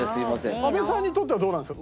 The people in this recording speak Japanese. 阿部さんにとってはどうなんですか？